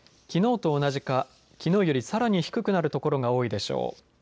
きのうと同じかきのうよりさらに低くなる所が多いでしょう。